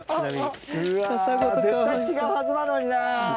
うわ絶対違うはずなのにな。